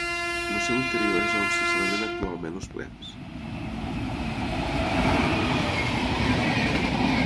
En el seu interior és on se celebren actualment els plens.